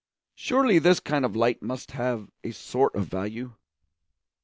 Surely this kind of light must have a sort of value.